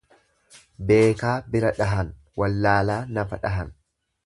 Beekaa bira dhahan wallaalaa nafa dhahan.